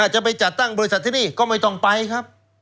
จะไปจัดตั้งบริษัทที่นี่ก็ไม่ต้องไปครับ